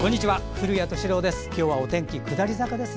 古谷敏郎です。